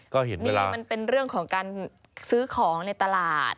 ก็เห็นนี่มันเป็นเรื่องของการซื้อของในตลาด